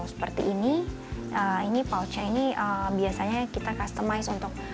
seperti ini ini pouchnya ini biasanya kita customize untuk